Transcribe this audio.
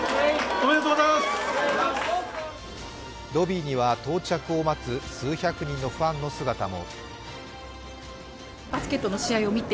ロビーには到着を待つ数百人のファンの姿も。